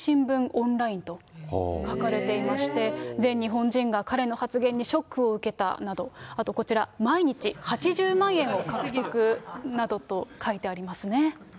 オンラインと書かれていまして、全日本人が彼の発言にショックを受けたなど、あとこちら、毎日８０万円を獲得などと書いてありますね。